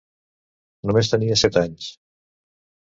Només tenia set anys.